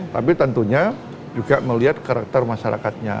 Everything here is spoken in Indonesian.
tapi tentunya juga melihat karakter masyarakatnya